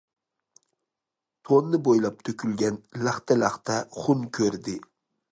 توننى بويلاپ تۆكۈلگەن، لەختە- لەختە خۇن كۆردى.